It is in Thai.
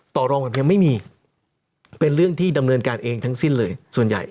ต่อรองแบบยังไม่มีเป็นเรื่องที่ดำเนินการเองทั้งสิ้นเลยส่วนใหญ่